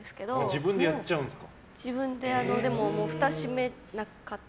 自分でやっちゃうんですか？